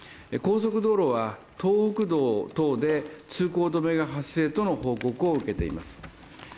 高速道路は、東北道で通行止めが発生との報告を受けています。